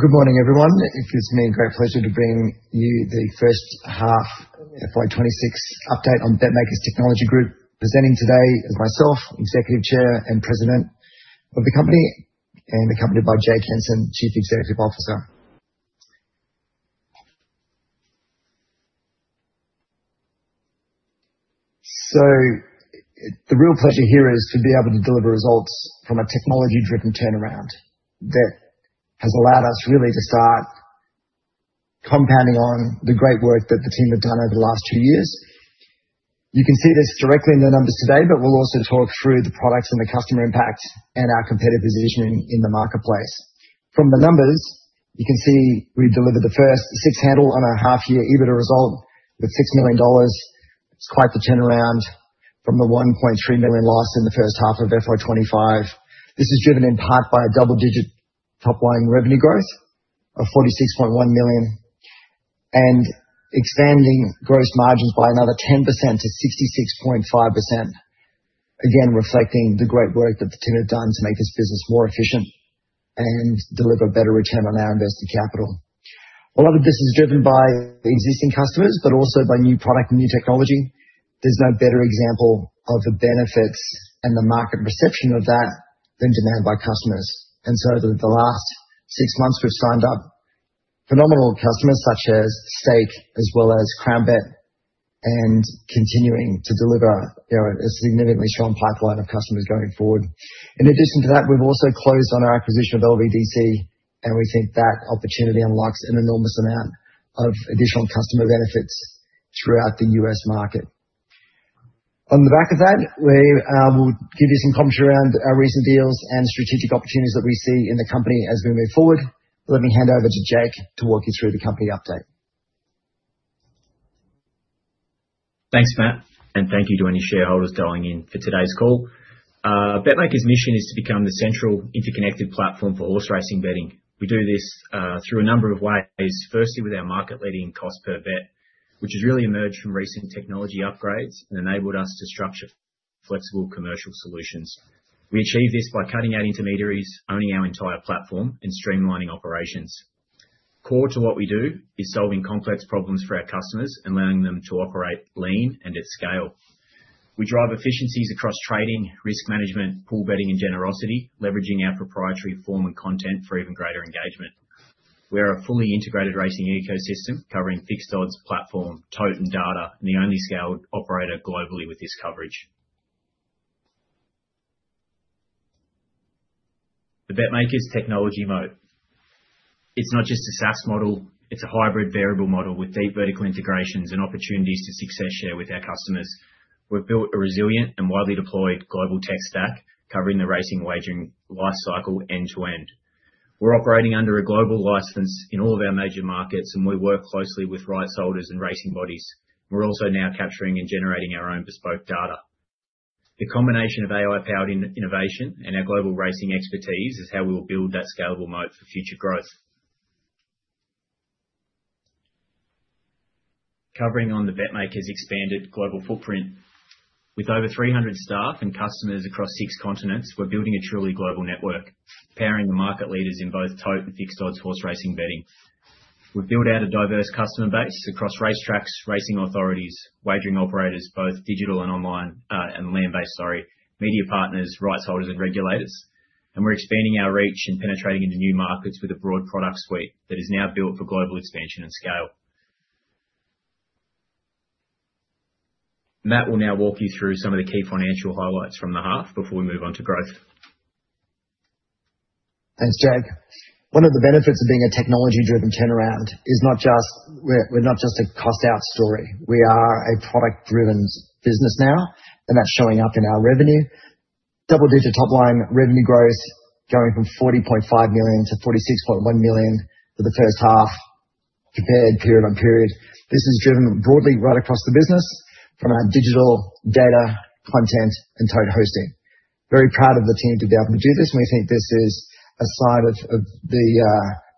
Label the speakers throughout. Speaker 1: Good morning, everyone. It gives me great pleasure to bring you the first half FY26 update on BetMakers Technology Group. Presenting today is myself, Executive Chair and President of the company, and accompanied by Jake Henson, Chief Executive Officer. The real pleasure here is to be able to deliver results from a technology-driven turnaround that has allowed us really to start compounding on the great work that the team have done over the last two years. You can see this directly in the numbers today, but we'll also talk through the products and the customer impact and our competitive positioning in the marketplace. From the numbers, you can see we delivered the first 6 handle on our half year EBITDA result with 6 million dollars. It's quite the turnaround from the 1.3 million loss in the first half of FY25. This is driven in part by a double-digit top line revenue growth of 46.1 million and expanding gross margins by another 10% to 66.5%. Reflecting the great work that the team have done to make this business more efficient and deliver better return on our invested capital. A lot of this is driven by existing customers, but also by new product and new technology. There's no better example of the benefits and the market perception of that than demand by customers. Over the last six months, we've signed up phenomenal customers such as Stake as well as CrownBet, and continuing to deliver, you know, a significantly strong pipeline of customers going forward. In addition to that, we've also closed on our acquisition of LVDC, and we think that opportunity unlocks an enormous amount of additional customer benefits throughout the U.S. market. On the back of that, we will give you some commentary around our recent deals and strategic opportunities that we see in the company as we move forward. Let me hand over to Jake to walk you through the company update.
Speaker 2: Thanks, Matt. Thank you to any shareholders dialing in for today's call. BetMakers' mission is to become the central interconnected platform for horse racing betting. We do this through a number of ways. Firstly, with our market-leading cost per bet, which has really emerged from recent technology upgrades and enabled us to structure flexible commercial solutions. We achieve this by cutting out intermediaries, owning our entire platform, and streamlining operations. Core to what we do is solving complex problems for our customers and allowing them to operate lean and at scale. We drive efficiencies across trading, risk management, pool betting, and generosity, leveraging our proprietary form and content for even greater engagement. We are a fully integrated racing ecosystem covering fixed odds, platform, tote, and data, and the only scaled operator globally with this coverage. The BetMakers technology moat. It's not just a SaaS model. It's a hybrid variable model with deep vertical integrations and opportunities to success share with our customers. We've built a resilient and widely deployed global tech stack covering the racing wagering lifecycle end-to-end. We're operating under a global license in all of our major markets. We work closely with rights holders and racing bodies. We're also now capturing and generating our own bespoke data. The combination of AI-powered innovation and our global racing expertise is how we will build that scalable moat for future growth. Covering on the BetMakers expanded global footprint. With over 300 staff and customers across six continents, we're building a truly global network, pairing the market leaders in both tote and fixed odds horse racing betting. We've built out a diverse customer base across racetracks, racing authorities, wagering operators, both digital and online, and land-based, media partners, rights holders, and regulators. We're expanding our reach and penetrating into new markets with a broad product suite that is now built for global expansion and scale. Matt will now walk you through some of the key financial highlights from the half before we move on to growth.
Speaker 1: Thanks, Jake. One of the benefits of being a technology-driven turnaround is not just we're not just a cost out story. We are a product-driven business now, and that's showing up in our revenue. Double-digit top-line revenue growth, going from 40.5 million to 46.1 million for the first half compared period on period. This is driven broadly right across the business from our digital data content and tote hosting. Very proud of the team to be able to do this, and we think this is a sign of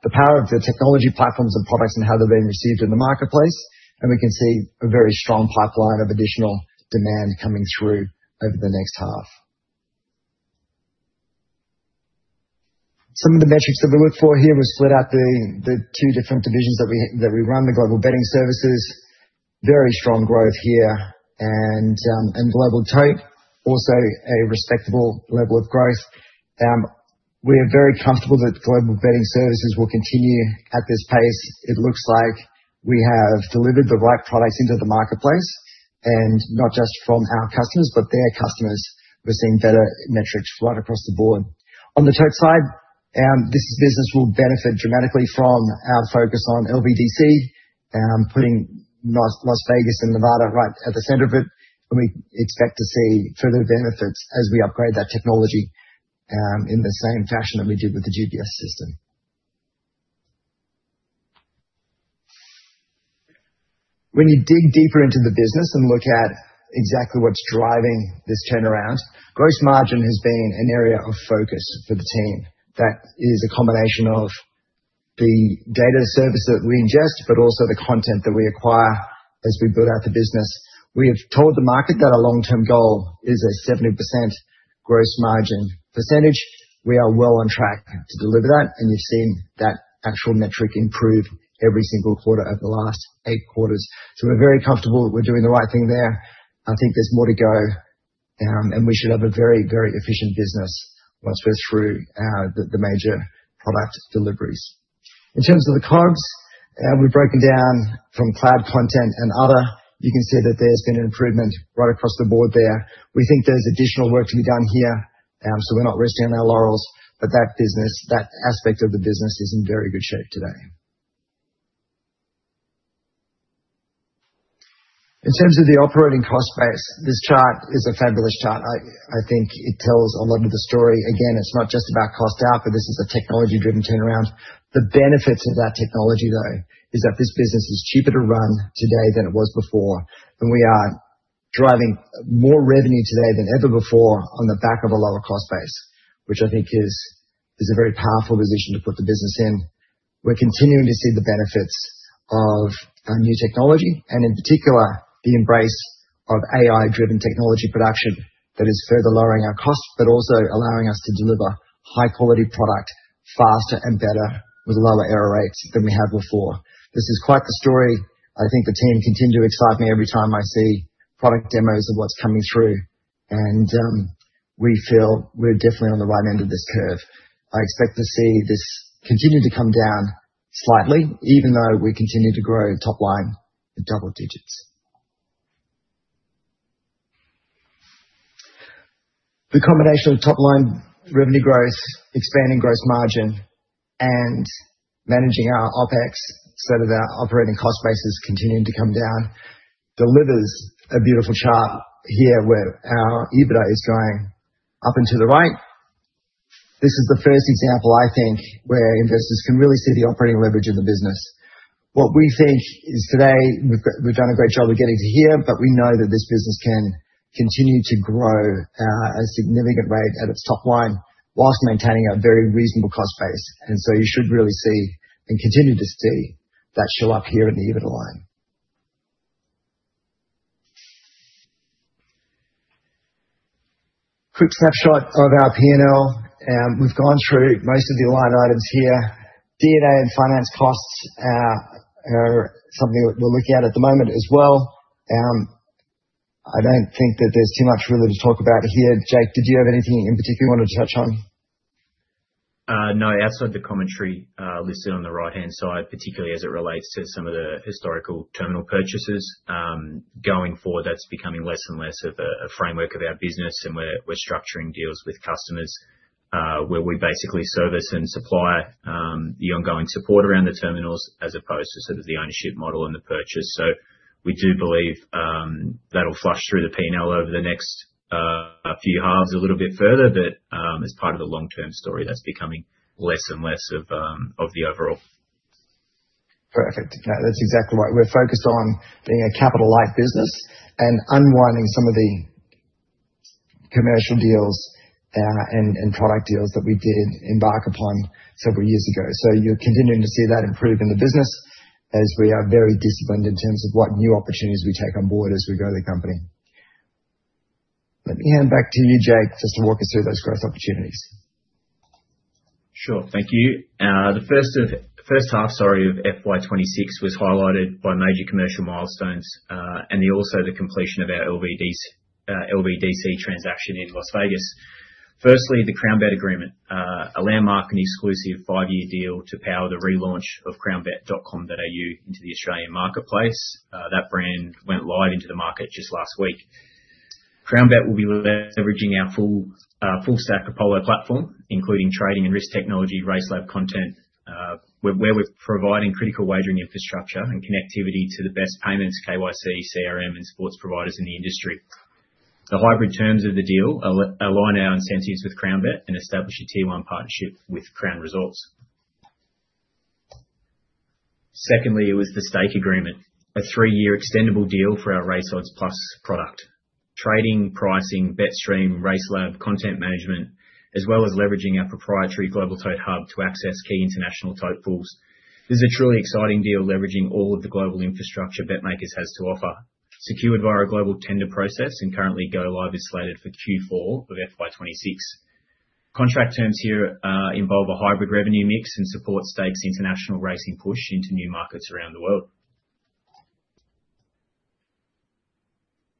Speaker 1: the power of the technology platforms and products and how they're being received in the marketplace. We can see a very strong pipeline of additional demand coming through over the next half. Some of the metrics that we look for here, we've split out the two different divisions that we run. The Global Betting Services, very strong growth here. Global Tote, also a respectable level of growth. We are very comfortable that Global Betting Services will continue at this pace. It looks like we have delivered the right products into the marketplace, and not just from our customers, but their customers. We're seeing better metrics right across the board. On the tote side, this business will benefit dramatically from our focus on LVDC, putting Las Vegas and Nevada right at the center of it. We expect to see further benefits as we upgrade that technology in the same fashion that we did with the GBS system. When you dig deeper into the business and look at exactly what's driving this turnaround, gross margin has been an area of focus for the team. That is a combination of the data service that we ingest, but also the content that we acquire. As we build out the business, we have told the market that our long-term goal is a 70% gross margin percentage. We are well on track to deliver that, and you've seen that actual metric improve every single quarter over the last 8 quarters. We're very comfortable that we're doing the right thing there. I think there's more to go, and we should have a very, very efficient business once we're through the major product deliveries. In terms of the COGS, we've broken down from cloud content and other. You can see that there's been an improvement right across the board there. We think there's additional work to be done here, so we're not resting on our laurels. That business, that aspect of the business is in very good shape today. In terms of the operating cost base, this chart is a fabulous chart. I think it tells a lot of the story. Again, it's not just about cost out, but this is a technology-driven turnaround. The benefits of that technology, though, is that this business is cheaper to run today than it was before, and we are driving more revenue today than ever before on the back of a lower cost base, which I think is a very powerful position to put the business in. We're continuing to see the benefits of our new technology and in particular, the embrace of AI-driven technology production that is further lowering our costs, but also allowing us to deliver high-quality product faster and better with lower error rates than we have before. This is quite the story. I think the team continue to excite me every time I see product demos of what's coming through. We feel we're definitely on the right end of this curve. I expect to see this continue to come down slightly, even though we continue to grow top line in double digits. The combination of top line revenue growth, expanding gross margin, and managing our OpEx so that our operating cost base is continuing to come down, delivers a beautiful chart here where our EBITDA is going up and to the right. This is the first example, I think, where investors can really see the operating leverage in the business. What we think is today we've done a great job of getting to here, we know that this business can continue to grow a significant rate at its top line while maintaining a very reasonable cost base. You should really see and continue to see that show up here in the EBITDA line. Quick snapshot of our P&L. We've gone through most of the line items here. D&A and finance costs are something that we're looking at at the moment as well. I don't think that there's too much really to talk about here. Jake, did you have anything in particular you wanted to touch on?
Speaker 2: No. Outside the commentary, listed on the right-hand side, particularly as it relates to some of the historical terminal purchases. Going forward, that's becoming less and less of a framework of our business, and we're structuring deals with customers, where we basically service and supply, the ongoing support around the terminals as opposed to sort of the ownership model and the purchase. We do believe, that'll flush through the P&L over the next few halves a little bit further. As part of the long-term story, that's becoming less and less of the overall.
Speaker 1: Perfect. No, that's exactly right. We're focused on being a capital-light business and unwinding some of the commercial deals and product deals that we did embark upon several years ago. You're continuing to see that improve in the business as we are very disciplined in terms of what new opportunities we take on board as we grow the company. Let me hand back to you, Jake, just to walk us through those growth opportunities.
Speaker 2: Sure. Thank you. The first half, sorry, of FY26 was highlighted by major commercial milestones, and the also the completion of our LVDC transaction in Las Vegas. Firstly, the CrownBet agreement. A landmark and exclusive five-year deal to power the relaunch of crownbet.com.au into the Australian marketplace. That brand went live into the market just last week. CrownBet will be leveraging our full stack Apollo platform, including trading and risk technology, RaceLab content, where we're providing critical wagering infrastructure and connectivity to the best payments, KYC, CRM, and sports providers in the industry. The hybrid terms of the deal align our incentives with CrownBet and establish a tier one partnership with Crown Resorts. Secondly, it was the Stake agreement. A three-year extendable deal for our RaceOdds+ product. Trading, pricing, BetStream, RaceLab, content management, as well as leveraging our proprietary Global Tote Hub to access key international tote pools. This is a truly exciting deal leveraging all of the global infrastructure BetMakers has to offer. Secured via a global tender process, and currently go live is slated for Q4 of FY26. Contract terms here involve a hybrid revenue mix and support Stake's international racing push into new markets around the world.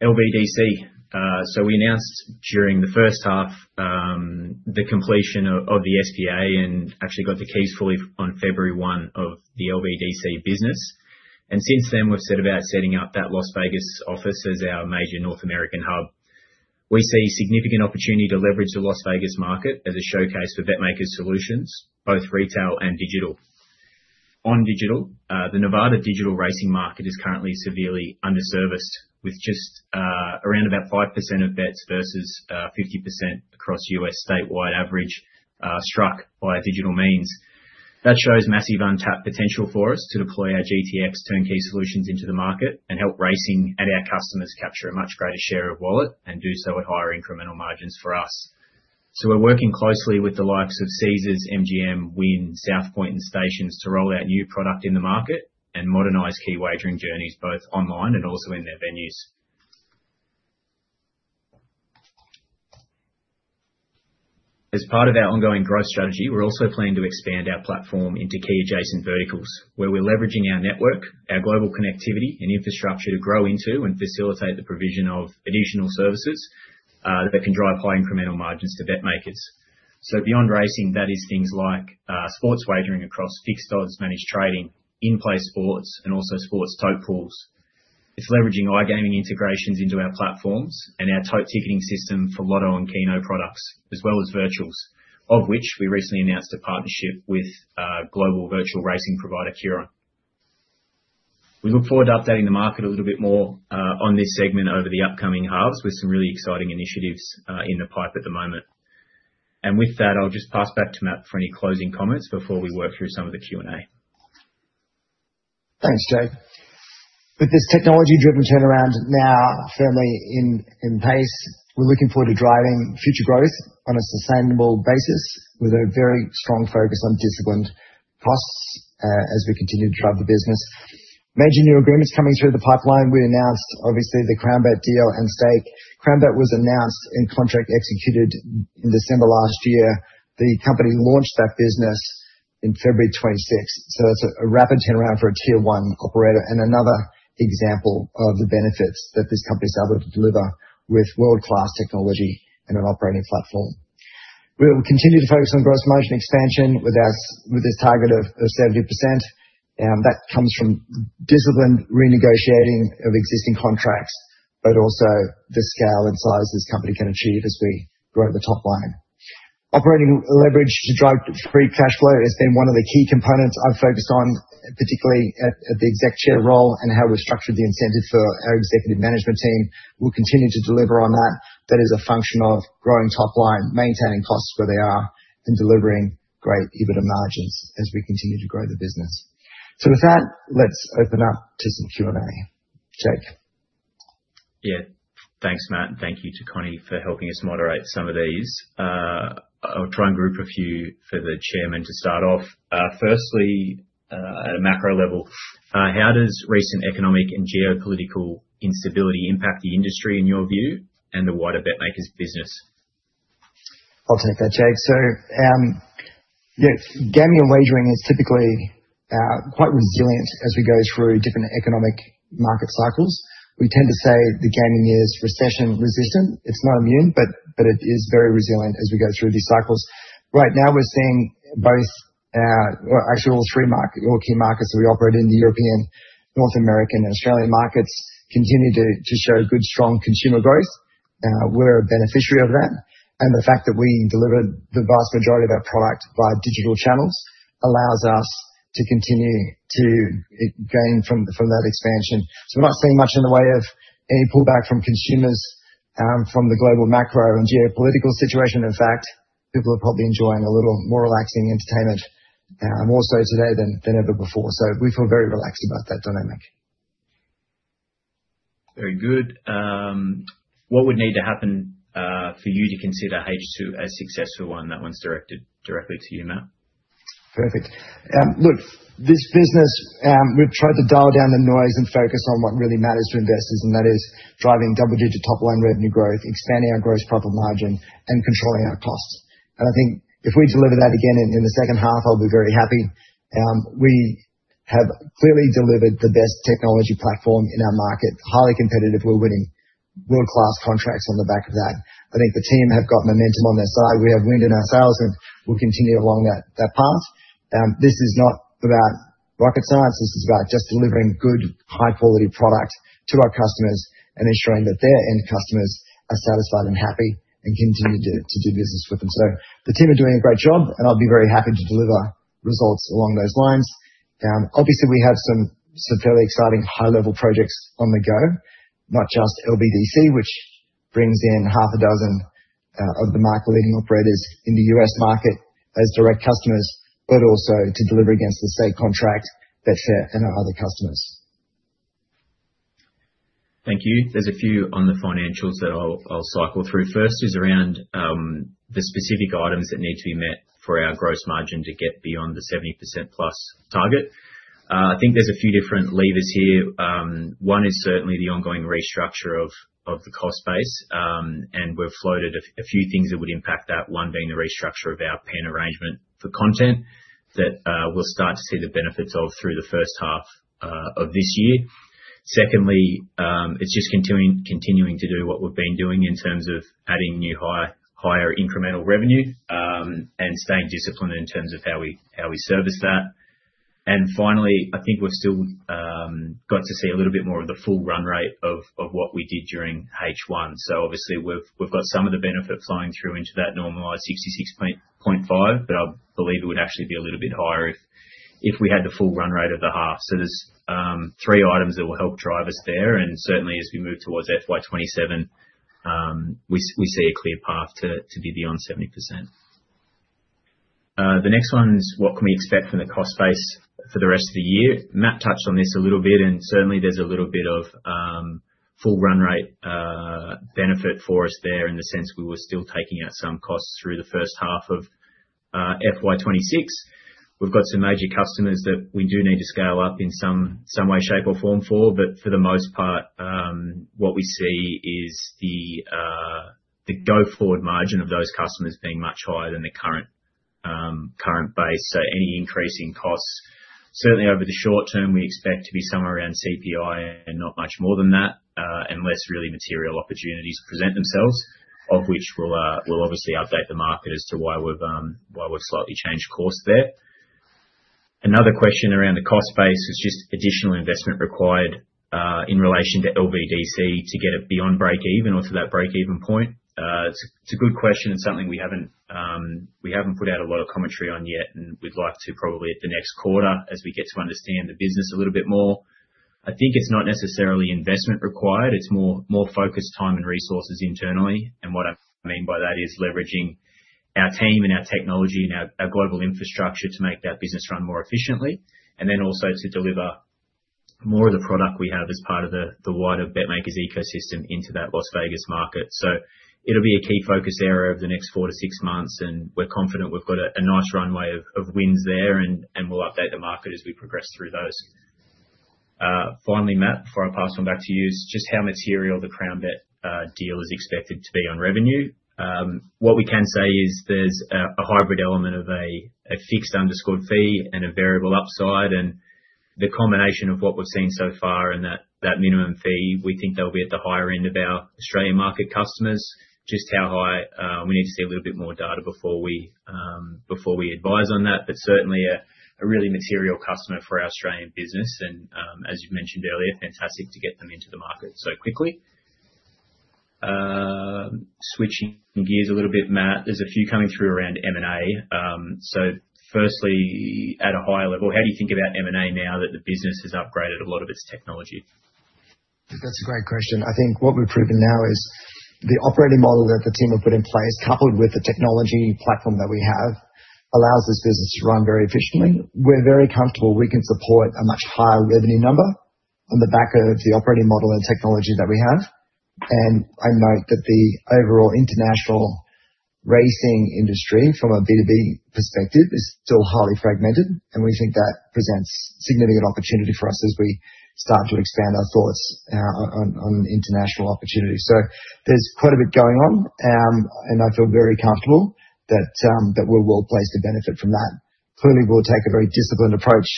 Speaker 2: LVDC. We announced during the first half the completion of the SPA and actually got the keys fully on February 1 of the LVDC business. Since then, we've set about setting up that Las Vegas office as our major North American hub. We see significant opportunity to leverage the Las Vegas market as a showcase for BetMakers solutions, both retail and digital. On digital, the Nevada digital racing market is currently severely underserviced, with just around about 5% of bets versus 50% across US statewide average, struck via digital means. That shows massive untapped potential for us to deploy our GTX turnkey solutions into the market and help racing and our customers capture a much greater share of wallet and do so at higher incremental margins for us. We're working closely with the likes of Caesars, MGM, Wynn, South Point, and Stations to roll out new product in the market and modernize key wagering journeys, both online and also in their venues. As part of our ongoing growth strategy, we're also planning to expand our platform into key adjacent verticals, where we're leveraging our network, our global connectivity and infrastructure to grow into and facilitate the provision of additional services that can drive high incremental margins to BetMakers. Beyond racing, that is things like sports wagering across fixed odds, managed trading, in-play sports, and also sports tote pools. It's leveraging iGaming integrations into our platforms and our tote ticketing system for lotto and keno products, as well as virtuals, of which we recently announced a partnership with global virtual racing provider Kiron. We look forward to updating the market a little bit more on this segment over the upcoming halves with some really exciting initiatives in the pipe at the moment. With that, I'll just pass back to Matt for any closing comments before we work through some of the Q&A.
Speaker 1: Thanks, Jake Henson. With this technology-driven turnaround now firmly in pace, we're looking forward to driving future growth on a sustainable basis with a very strong focus on disciplined costs as we continue to drive the business. Major new agreements coming through the pipeline. We announced, obviously, the CrownBet deal and Stake. CrownBet was announced and contract executed in December last year. The company launched that business in February 26th. That's a rapid turnaround for a tier one operator and another example of the benefits that this company's able to deliver with world-class technology and an operating platform. We'll continue to focus on gross margin expansion with this target of 70%. That comes from disciplined renegotiating of existing contracts, but also the scale and size this company can achieve as we grow the top line. Operating leverage to drive free cash flow has been one of the key components I've focused on, particularly at the exec chair role, and how we've structured the incentive for our executive management team. We'll continue to deliver on that. That is a function of growing top line, maintaining costs where they are, and delivering great EBITDA margins as we continue to grow the business. With that, let's open up to some Q&A. Jake?
Speaker 2: Yeah. Thanks, Matt, and thank you to Connie for helping us moderate some of these. I'll try and group a few for the Chairman to start off. Firstly, at a macro level, how does recent economic and geopolitical instability impact the industry in your view and the wider BetMakers business?
Speaker 1: I'll take that, Jake. Yeah, gaming and wagering is typically quite resilient as we go through different economic market cycles. We tend to say the gaming is recession-resistant. It's not immune, but it is very resilient as we go through these cycles. Right now we're seeing both, well, actually all key markets that we operate in, the European, North American, and Australian markets continue to show good, strong consumer growth. We're a beneficiary of that. The fact that we deliver the vast majority of our product via digital channels allows us to continue to gain from that expansion. We're not seeing much in the way of any pullback from consumers from the global macro and geopolitical situation. In fact, people are probably enjoying a little more relaxing entertainment, more so today than ever before. We feel very relaxed about that dynamic.
Speaker 2: Very good. What would need to happen for you to consider H2 a successful one? That one's directed directly to you, Matt.
Speaker 1: Perfect. Look, this business, we've tried to dial down the noise and focus on what really matters to investors, and that is driving double-digit top-line revenue growth, expanding our gross profit margin, and controlling our costs. I think if we deliver that again in the second half, I'll be very happy. We have clearly delivered the best technology platform in our market. Highly competitive. We're winning world-class contracts on the back of that. I think the team have got momentum on their side. We have wind in our sails, and we'll continue along that path. This is not about rocket science. This is about just delivering good high-quality product to our customers and ensuring that their end customers are satisfied and happy and continue to do business with them. The team are doing a great job, and I'll be very happy to deliver results along those lines. Obviously we have some fairly exciting high-level projects on the go, not just LVDC, which brings in half a dozen of the market-leading operators in the U.S. market as direct customers, but also to deliver against the Stake contract, Betfair, and our other customers.
Speaker 2: Thank you. There's a few on the financials that I'll cycle through. First is around the specific items that need to be met for our gross margin to get beyond the 70%+ target. I think there's a few different levers here. One is certainly the ongoing restructure of the cost base. And we've floated a few things that would impact that, one being the restructure of our PENN arrangement for content that we'll start to see the benefits of through the first half of this year. Secondly, it's just continuing to do what we've been doing in terms of adding new high-higher incremental revenue, and staying disciplined in terms of how we service that. Finally, I think we've still got to see a little bit more of the full run rate of what we did during H1. Obviously we've got some of the benefit flowing through into that normalized 66.5%, but I believe it would actually be a little bit higher if we had the full run rate of the half. There's 3 items that will help drive us there, and certainly as we move towards FY27, we see a clear path to be beyond 70%. The next one's what can we expect from the cost base for the rest of the year? Matt touched on this a little bit. Certainly there's a little bit of full run rate benefit for us there in the sense we were still taking out some costs through the first half of FY26. We've got some major customers that we do need to scale up in some way, shape, or form for. For the most part, what we see is the go-forward margin of those customers being much higher than the current base. Any increase in costs, certainly over the short term, we expect to be somewhere around CPI and not much more than that, unless really material opportunities present themselves, of which we'll obviously update the market as to why we've slightly changed course there. Another question around the cost base is just additional investment required in relation to LVDC to get it beyond breakeven or to that breakeven point. It's a good question. It's something we haven't, we haven't put out a lot of commentary on yet, we'd like to probably at the next quarter as we get to understand the business a little bit more. I think it's not necessarily investment required, it's more focused time and resources internally. What I mean by that is leveraging our team and our technology and our global infrastructure to make that business run more efficiently. Also to deliver more of the product we have as part of the wider BetMakers ecosystem into that Las Vegas market. It'll be a key focus area over the next four to six months, and we're confident we've got a nice runway of wins there, and we'll update the market as we progress through those. Finally, Matt, before I pass on back to you, is just how material the CrownBet deal is expected to be on revenue. What we can say is there's a hybrid element of a fixed underscored fee and a variable upside, and the combination of what we've seen so far in that minimum fee, we think they'll be at the higher end of our Australian market customers. Just how high, we need to see a little bit more data before we advise on that. Certainly a really material customer for our Australian business and, as you've mentioned earlier, fantastic to get them into the market so quickly. Switching gears a little bit, Matt, there's a few coming through around M&A. Firstly, at a high level, how do you think about M&A now that the business has upgraded a lot of its technology?
Speaker 1: That's a great question. I think what we've proven now is the operating model that the team have put in place, coupled with the technology platform that we have, allows this business to run very efficiently. We're very comfortable we can support a much higher revenue number on the back of the operating model and technology that we have. I note that the overall international racing industry from a B2B perspective is still highly fragmented, and we think that presents significant opportunity for us as we start to expand our thoughts on international opportunities. There's quite a bit going on, and I feel very comfortable that we're well-placed to benefit from that. Clearly, we'll take a very disciplined approach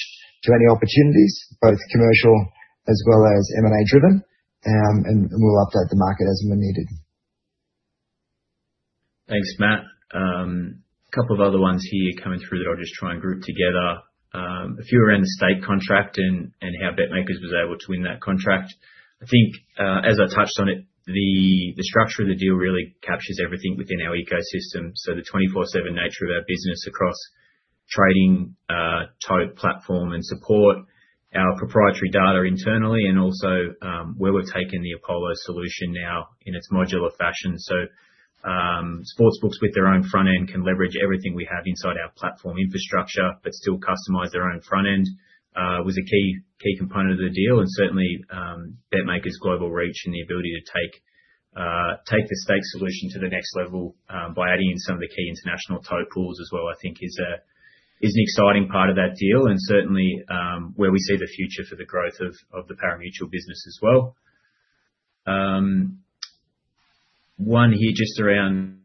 Speaker 1: to any opportunities, both commercial as well as M&A driven, and we'll update the market as and when needed.
Speaker 2: Thanks, Matt. Couple of other ones here coming through that I'll just try and group together. A few around the Stake contract and how BetMakers was able to win that contract. I think, as I touched on it, the structure of the deal really captures everything within our ecosystem. The 24/7 nature of our business across trading, tote platform and support, our proprietary data internally and also, where we're taking the Apollo solution now in its modular fashion. Sports books with their own front end can leverage everything we have inside our platform infrastructure but still customize their own front end, was a key component of the deal. Certainly, BetMakers' global reach and the ability to take the Stake solution to the next level by adding in some of the key international tote pools as well, I think is an exciting part of that deal and certainly, where we see the future for the growth of the pari-mutuel business as well. One here just around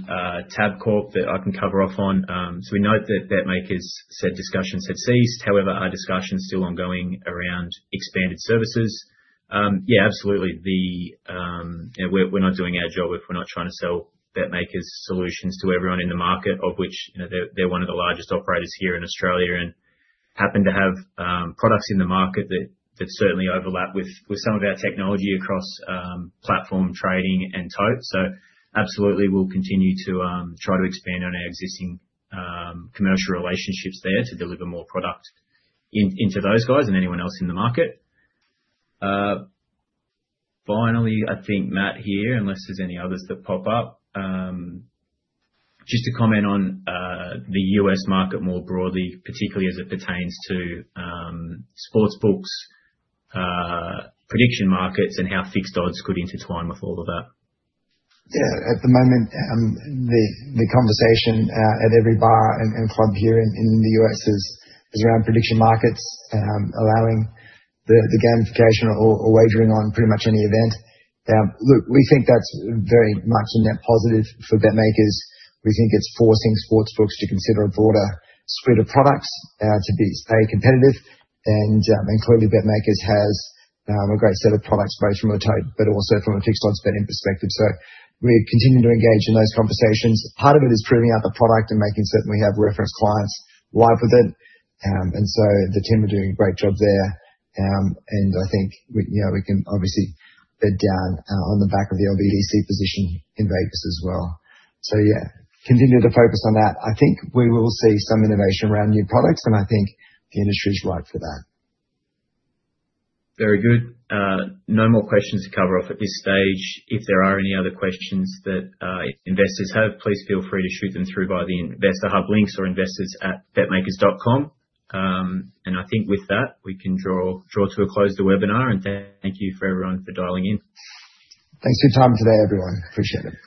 Speaker 2: Tabcorp that I can cover off on. We note that BetMakers said discussions have ceased, however, are discussions still ongoing around expanded services? Absolutely. The... You know, we're not doing our job if we're not trying to sell BetMakers solutions to everyone in the market, of which, you know, they're one of the largest operators here in Australia and happen to have products in the market that certainly overlap with some of our technology across platform trading and tote. Absolutely we'll continue to try to expand on our existing commercial relationships there to deliver more product into those guys and anyone else in the market. Finally, I think, Matt, here, unless there's any others that pop up, just to comment on the U.S. market more broadly, particularly as it pertains to sports books, prediction markets and how fixed odds could intertwine with all of that.
Speaker 1: At the moment, the conversation at every bar and club here in the U.S. is around prediction markets, allowing the gamification or wagering on pretty much any event. Look, we think that's very much a net positive for BetMakers. We think it's forcing sportsbooks to consider a broader spread of products to stay competitive. Clearly BetMakers has a great set of products both from a tote but also from a fixed odds betting perspective. We continue to engage in those conversations. Part of it is proving out the product and making certain we have reference clients live with it. The team are doing a great job there. I think we, you know, we can obviously bed down on the back of the LVDC position in Vegas as well. Yeah, continue to focus on that. I think we will see some innovation around new products, and I think the industry's ripe for that.
Speaker 2: Very good. No more questions to cover off at this stage. If there are any other questions that investors have, please feel free to shoot them through by the investor hub links or investors@betmakers.com. I think with that, we can draw to a close the webinar, and thank you for everyone for dialing in.
Speaker 1: Thanks for your time today, everyone. Appreciate it.